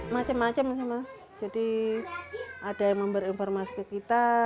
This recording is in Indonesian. macem macem sih mas jadi ada yang memberi informasi ke kita